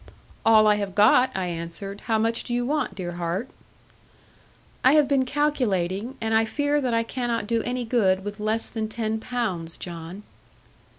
'All I have got,' I answered; 'how much do you want, dear heart?' 'I have been calculating; and I fear that I cannot do any good with less than ten pounds, John.'